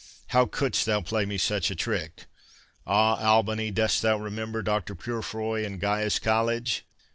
How couldst thou play me such a trick?—Ah, Albany, dost thou remember Dr. Purefoy and Caius College?"